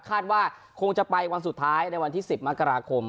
คาดว่าคงจะไปวันสุดท้ายในวันที่๑๐มกราคม